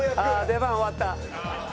出番終わった！